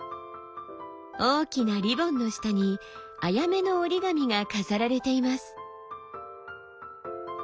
大きなリボンの下にアヤメの折り紙が飾られています。